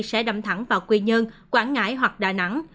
sẽ đâm thẳng vào quy nhơn quảng ngãi hoặc đà nẵng